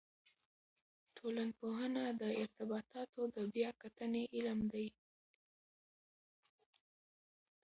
ټولنپوهنه د ارتباطاتو د بیا کتنې علم دی.